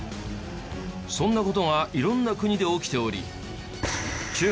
そんな事が色んな国で起きており。